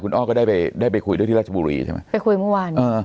อ้อก็ได้ไปได้ไปคุยด้วยที่ราชบุรีใช่ไหมไปคุยเมื่อวาน